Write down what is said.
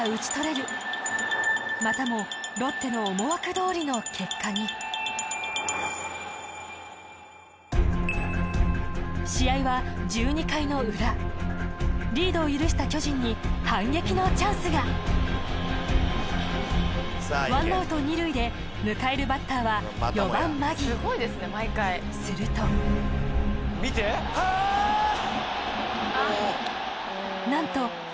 るまたもロッテの思惑どおりの結果に試合は１２回の裏リードを許した巨人に反撃のチャンスが１アウト２塁で迎えるバッターは４番マギーすると見てああっ！